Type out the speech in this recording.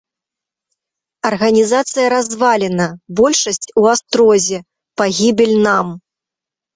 Арганізацыя развалена, большасць у астрозе, пагібель нам.